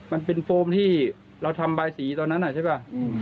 มันเป็นโฟมที่เราทำบายสีตอนนั้นใช่ป่ะ